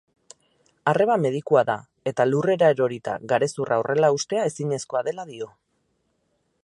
Arreba medikua da eta lurrera erorita garezurra horrela haustea ezinezkoa dela dio.